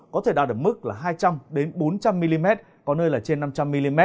có thể đạt được mức là hai trăm linh bốn trăm linh mm có nơi là trên năm trăm linh mm